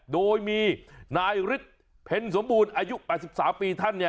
โดยมีนายฤทธิ์เพ็ญสมบูรณ์อายุ๘๓ปีท่านเนี่ย